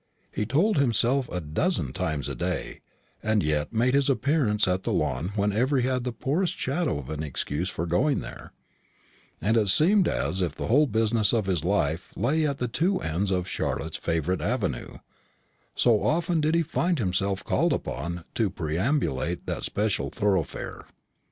He told himself this a dozen times a day, and yet he made his appearance at the Lawn whenever he had the poorest shadow of an excuse for going there; and it seemed as if the whole business of his life lay at the two ends of Charlotte's favourite avenue, so often did he find himself called upon to perambulate that especial thoroughfare.